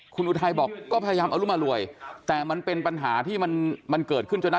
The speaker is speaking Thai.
คุณอุทัยบอกก็พยายามอรุมารวยแต่มันเป็นปัญหาที่มันเกิดขึ้นจนนะ